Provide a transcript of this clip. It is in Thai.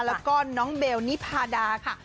แล้วก็น้องเบลนิพาดาค่ะ